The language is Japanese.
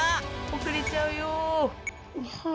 おくれちゃうよ。